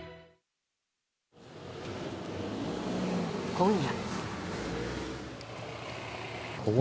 今夜。